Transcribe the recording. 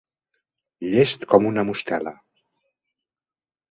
Llest com una mostela.